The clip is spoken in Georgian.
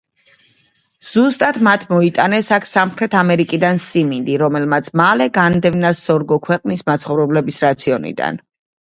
ზუსტად მათ მოიტანეს აქ სამხრეთ ამერიკიდან სიმინდი, რომელმაც მალე განდევნა სორგო ქვეყნის მაცხოვრებლების რაციონიდან.